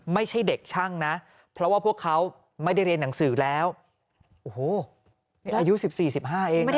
ไม่ใช่เด็กช่างนะเพราะว่าพวกเขาไม่ได้เรียนหนังสือแล้วโอ้โหอายุ๑๔๑๕เอง